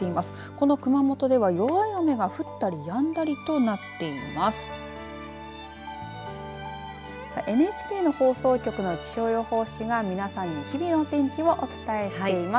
この熊本では弱い雨が降ったりやんだりとなっています。